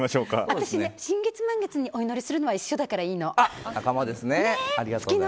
私、新月、満月にお祈りするのは一緒だからいいの。